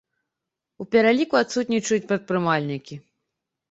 У пераліку адсутнічаюць прадпрымальнікі.